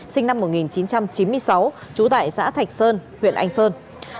sinh năm một nghìn chín trăm chín mươi sáu trú tại xã thạch sơn huyện anh sơn